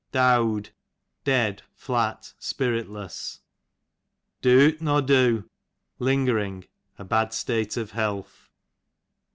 Dowd, dead, flat, spiritless. Doot nor do, lingering, a bad state of health.